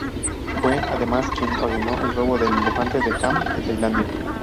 Fue, además, quien ordenó el robo del elefante de Kham en Tailandia.